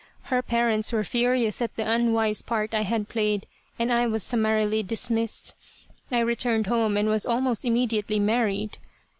Her parents were furious at the unwise part I had played and I was summarily dismissed. I returned home and was almost immediately married.